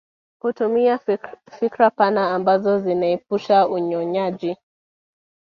Kutumia fikra pana ambazo zinaepusha unyonyaji